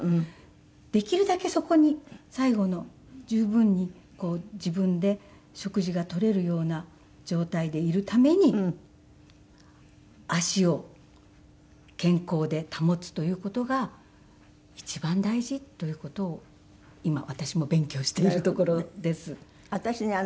できるだけそこに最後の十分に自分で食事が取れるような状態でいるために足を健康で保つという事が一番大事という事を今私も勉強しているところです。